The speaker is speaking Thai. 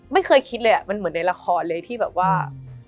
ไม่เคยคิดเลยมันเหมือนในละครเลยที่แบบว่า